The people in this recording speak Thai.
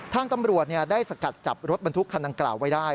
ทางตำรวจได้สกัดจับรถบรรทุกคันดังกล่าวไว้ได้